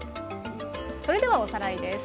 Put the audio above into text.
それではおさらいです。